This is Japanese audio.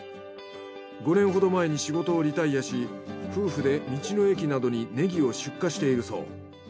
５年ほど前に仕事をリタイアし夫婦で道の駅などにネギを出荷しているそう。